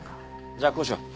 じゃあこうしよう。